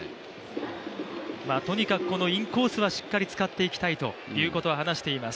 とにかくこのインコースはしっかり使っていきたいということは話しています。